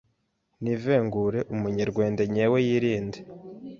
n’ivengure Umunyerwende nyewe yirinde,